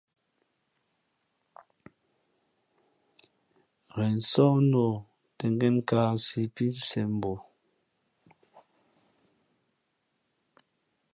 Ghen sǒh nā ǒ tᾱ ngēn kāāsǐ pí nsēn bǒ.